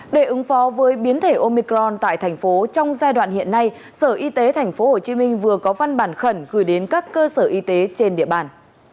để ứng phó với biến thể omicron tại thành phố trong giai đoạn hiện nay sở y tế tp hcm vừa có văn bản khẩn gửi đến các cơ sở y tế trên địa bàn